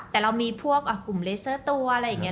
แต่เรามีพวกกลุ่มเลเซอร์ตัวอะไรอย่างนี้